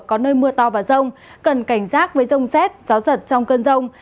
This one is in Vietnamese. có nơi mưa to và rông cần cảnh giác với rông xét gió giật trong cơn rông